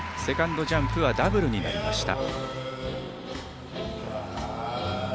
セカンドジャンプはダブルになりました。